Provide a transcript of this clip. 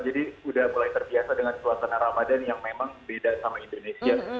jadi sudah mulai terbiasa dengan suasana ramadan yang memang beda sama indonesia